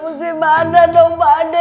bersih badan dong pak d